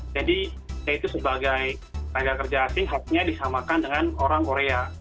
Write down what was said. jadi saya itu sebagai rakyat kerja asing harusnya disamakan dengan orang korea